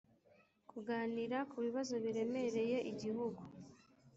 kuganira ku bibazo biremereye igihugu